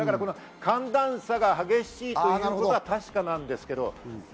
寒暖差が激しいということは確かなんですけど。